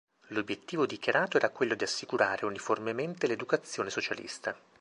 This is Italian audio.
L'obiettivo dichiarato era quello di assicurare uniformemente l'educazione socialista.